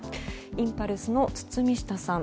インパルスの堤下さん